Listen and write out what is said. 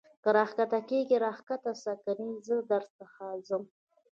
که را کښته کېږې را کښته سه کنې زه در څخه ځم.